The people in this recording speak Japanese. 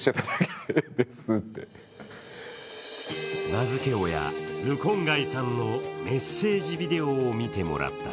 名付け親、ルコンガイさんのメッセージビデオを見てもらった。